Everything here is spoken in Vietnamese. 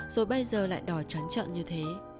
rồi bây giờ lại đòi trấn trận như thế